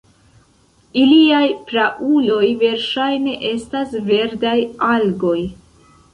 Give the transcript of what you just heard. Iliaj prauloj verŝajne estas verdaj algoj.